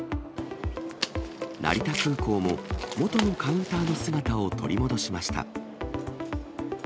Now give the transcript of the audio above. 成田空港も、元のカウンターの姿を取り戻しました。